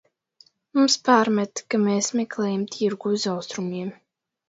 Mums pārmet, ka mēs meklējam tirgu uz Austrumiem.